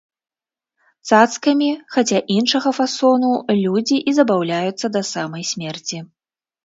Цацкамі, хаця іншага фасону, людзі і забаўляюцца да самай смерці.